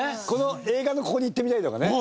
映画のここに行ってみたいとかね。